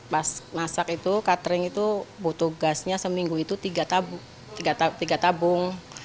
pas masak itu catering itu butuh gasnya seminggu itu tiga tabung